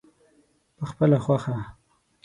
پخپله خوښه.